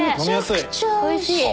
おいしい。